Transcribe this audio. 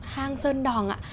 hang sơn đòng ạ